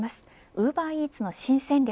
ウーバーイーツの新戦略